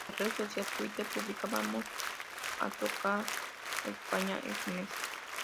En la red social Twitter pública: "Vamos a tocar a España este mes!